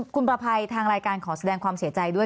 คุณประภัยทางรายการขอแสดงความเสียใจด้วย